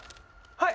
はい！